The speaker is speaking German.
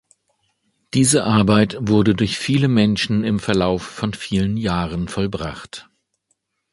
Diese Arbeit wurde durch viele Menschen im Verlauf von vielen Jahren vollbracht.